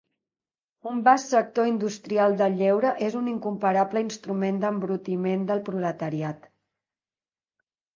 Un vast sector industrial del lleure és un incomparable instrument d'embrutiment del proletariat.